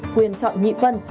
quyền chọn nghị phân